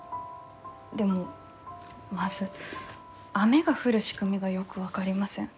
でもまず雨が降る仕組みがよく分かりません。